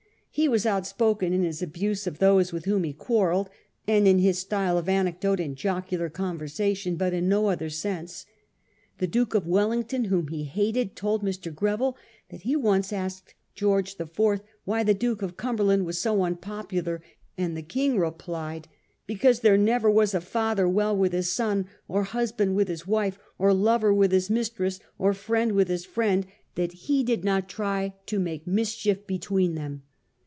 He was outspoken in his abuse of those with whom he quarrelled, and in his style of anecdote and jocular conversation ; but in no other sense. The Duke of "Wellington, whom he hated, told Mr. Greville that he once asked George IV. why the Duke of Cumberland was so unpopular, and the King replied, ' Because there never was a father well with his son, or husband with his wife, or lover with his mistress, or friend with his friend, that he did not try to make mischief between them.